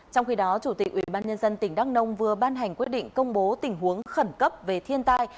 trong khi đó chủ tịch ubnd tỉnh đắk nông vừa ban hành quyết định công bố tình huống khẩn cấp về thiên tai